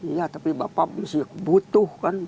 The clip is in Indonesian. iya tapi bapak masih butuh kan